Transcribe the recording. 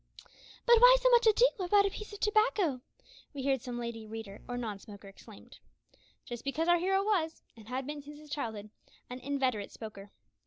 "But why so much ado about a piece of tobacco?" we hear some lady reader or non smoker exclaim. Just because our hero was, and had been since his childhood, an inveterate smoker.